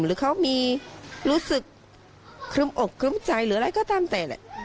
หรือเขามีรู้สึกครึ้มอกครึ้มใจหรืออะไรก็ตามแต่แหละ